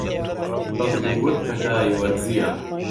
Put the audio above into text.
بەڵکوو وەک پەتای وەرزییە